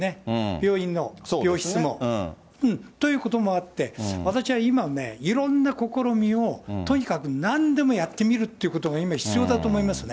病院の病室も。ということもあって、私は今ね、いろんな試みをとにかくなんでもやってみるっていうことが今必要だと思いますね。